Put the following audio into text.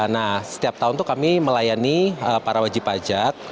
nah setiap tahun itu kami melayani para wajib pajak